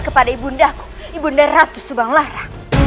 kepada ibu ndaku ibu nda ratu subang lara